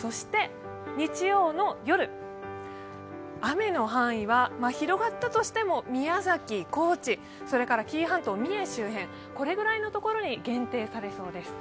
日曜の夜、雨の範囲は広がったとしても宮崎、高知、紀伊半島、三重周辺これぐらいの所に限定されそうです。